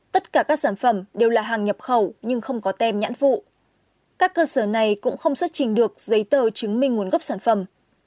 tất cả các sản phẩm đều là hàng nhập khẩu nhưng không có tem nhãn phụ các cơ sở này cũng không xuất trình được giấy tờ chứng minh nguồn gốc sản phẩm